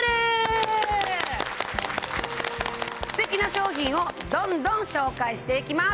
ステキな商品をどんどん紹介していきます。